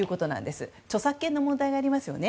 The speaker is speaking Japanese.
著作権の問題がありますよね。